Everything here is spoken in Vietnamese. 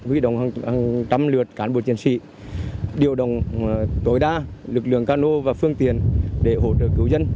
huy động hàng trăm lượt cán bộ chiến sĩ điều động tối đa lực lượng cano và phương tiện để hỗ trợ cứu dân